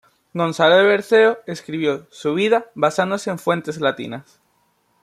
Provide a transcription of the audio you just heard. Gonzalo de Berceo escribió su "Vida", basándose en fuentes latinas.